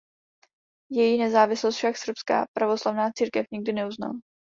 Její nezávislost však Srbská pravoslavná církev nikdy neuznala.